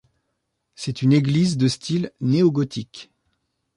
C'est une église de style néogothique.